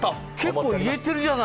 結構、言えてるじゃない。